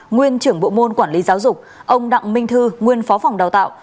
nguyên trưởng bộ môn quản lý giáo dục ông đặng minh thư nguyên phó phòng đào tạo